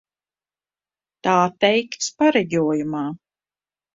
Tā teikts pareģojumā.